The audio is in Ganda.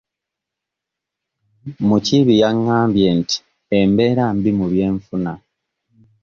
Mukiibi yangambye nti embeera mbi mu byenfuna.